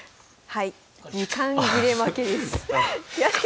はい。